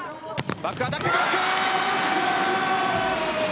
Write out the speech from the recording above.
バックアタック、ブロック。